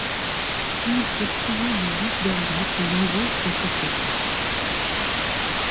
Puis il se saisit du vit d’Orion et l’engouffre entre ses fesses.